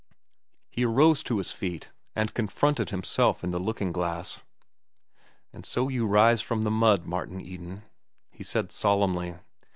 He arose to his feet and confronted himself in the looking glass. "And so you arise from the mud, Martin Eden," he said solemnly.